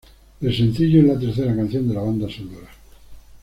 El sencillo es la tercera canción de la banda sonora.